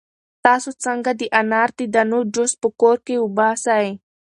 تاسو څنګه د انار د دانو جوس په کور کې وباسئ؟